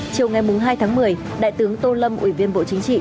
chiều ngày hai tháng một mươi đại tướng tô lâm ủy viên bộ chính trị